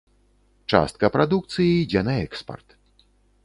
Частка прадукцыі ідзе на экспарт.